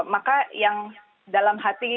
maka yang dalam hati